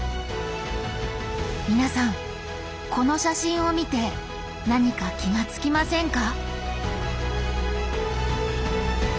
皆さんこの写真を見て何か気がつきませんか？